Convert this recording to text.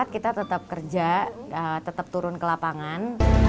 dua ribu dua puluh empat kita tetap kerja tetap turun ke lapangan